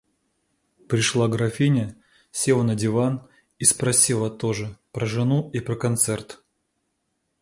Пришла графиня, села на диван и спросила тоже про жену и про концерт.